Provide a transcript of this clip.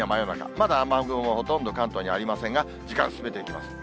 まだ雨雲はほとんど関東にありませんが、時間進めていきます。